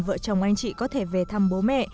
vợ chồng anh chị có thể về thăm bố mẹ